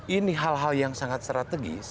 ini hal hal yang sangat strategis